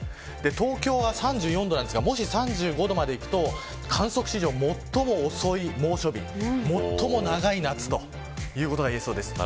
東京は３４度なんですがもし３５度までいくと、観測史上最も遅い猛暑日最も長い夏ということが言えそうです。